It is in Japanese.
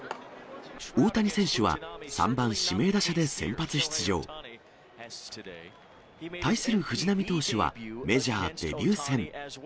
大谷選手は３番指名打者で先発出場。対する藤浪投手は、メジャーデビュー戦。